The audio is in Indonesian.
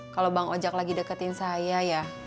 kalau bang ojek lagi deketin saya ya